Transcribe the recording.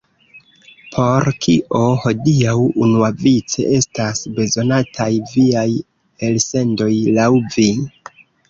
Por kio hodiaŭ unuavice estas bezonataj viaj elsendoj, laŭ vi?